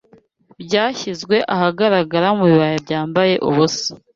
byashyizwe ahagaragara Mubibaya byambaye ubusa